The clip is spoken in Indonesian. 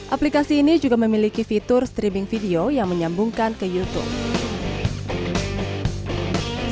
aplikasi ini juga memiliki fitur streaming video yang menyambungkan ke youtube